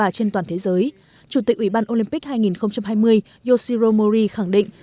chủ tịch ủy ban olympic hai nghìn hai mươi yoshiro mori khẳng định